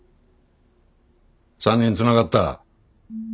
３人つながった。